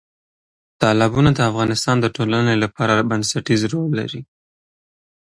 تالابونه د افغانستان د ټولنې لپاره بنسټیز رول لري.